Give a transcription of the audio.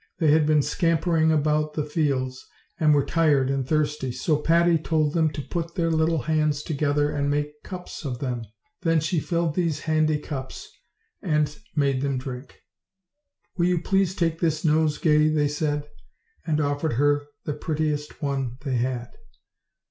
They had been scampering about the fields, and were tired and thirsty. So Patty told them to put their little hands together and make cups of them; then she filled these "handy cups," and made them drink. "Will you please take this nosegay?" they said, and offered her the prettiest one they had.